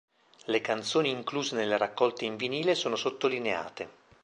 Le canzoni incluse nella raccolta in vinile sono sottolineate.